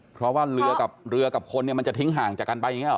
เพราะว่าเรือกับเรือกับคนเนี่ยมันจะทิ้งห่างจากกันไปอย่างนี้ห